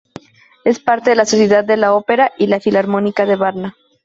Es parte de la Sociedad de la Ópera y la Filarmónica de Varna.